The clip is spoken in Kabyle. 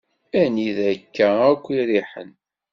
Anida akka akk i iriḥen?